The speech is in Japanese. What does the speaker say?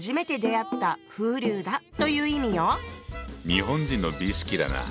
日本人の美意識だなぁ。